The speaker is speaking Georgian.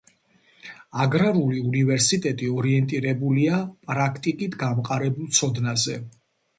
აგრარული უნივერსიტეტი ორიენტირებულია პრაქტიკით გამყარებულ ცოდნაზე.